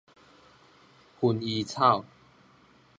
薰衣草